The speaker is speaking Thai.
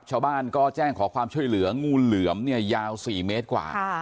ชาวบ้านก็แจ้งขอความช่วยเหลืองูเหลือมเนี่ยยาว๔เมตรกว่า